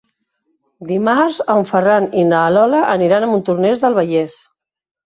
Dimarts en Ferran i na Lola aniran a Montornès del Vallès.